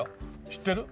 知ってる？